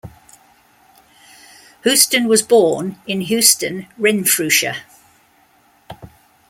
Houstoun was born in Houston, Renfrewshire.